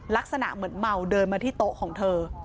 ลักษณะเหมือนเมาเดินมาที่โต๊ะของเธอ